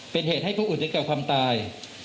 เป็นเหตุให้ผู้อุดนึกกับความตาย